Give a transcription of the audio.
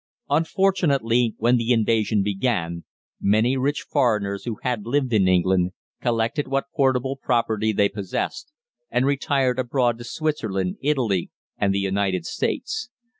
Unfortunately, when the invasion began, many rich foreigners who had lived in England collected what portable property they possessed and retired abroad to Switzerland, Italy, and the United States.